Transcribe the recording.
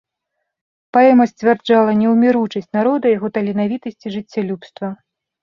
Паэма сцвярджала неўміручасць народа, яго таленавітасць і жыццялюбства.